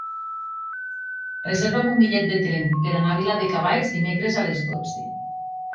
Reserva'm un bitllet de tren per anar a Viladecavalls dimecres a les dotze.